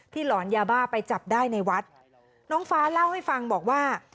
หลอนยาบ้าไปจับได้ในวัดน้องฟ้าเล่าให้ฟังบอกว่า